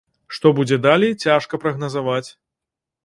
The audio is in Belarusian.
Што будзе далей, цяжка прагназаваць.